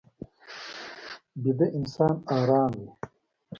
ویده انسان ارام وي